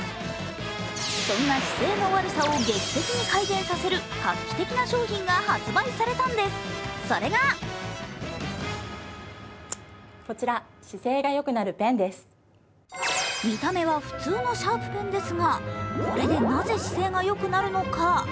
そんな姿勢の悪さを劇的に改善させる画期的な商品が発売されたんです、それが見た目は普通のシャープペンですがこれでなぜ、姿勢がよくなるのか？